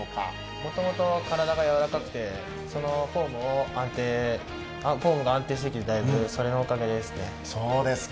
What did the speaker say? もともと体がやわらかくて、そのフォームが安定してきてそれのおかげですね。